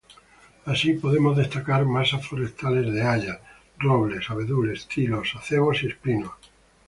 Así podemos destacar masas forestales de hayas, robles, abedules, tilos, acebos y espinos.